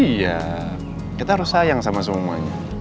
iya kita harus sayang sama semuanya